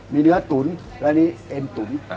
มีเนื้อตุ๋นและอันนี้เอ็มตุ๋น